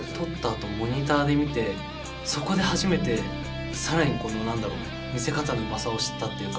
あとモニターで見てそこで初めてさらにこの何だろう見せ方のうまさを知ったっていうか。